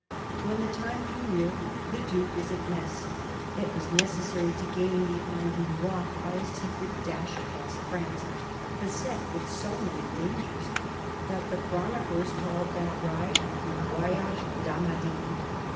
When the time drew near, the Duke was at Metz. It was necessary to gain the Angoumois by a secret dash across France, beset with so many dangers that the chroniclers called that ride " le voyage d'Amadis."